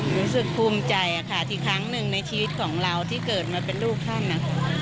รู้สึกภูมิใจค่ะอีกครั้งหนึ่งในชีวิตของเราที่เกิดมาเป็นลูกท่าน